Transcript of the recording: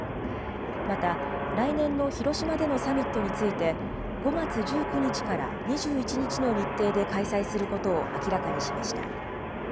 また来年の広島でのサミットについて、５月１９日から２１日の日程で開催することを明らかにしました。